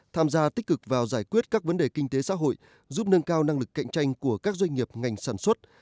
tham gia tích cực vào giải quyết các vấn đề kinh tế xã hội giúp nâng cao năng lực cạnh tranh của các doanh nghiệp ngành sản xuất